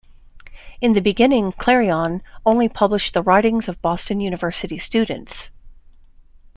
In the beginning "Clarion" only published the writing of Boston University students.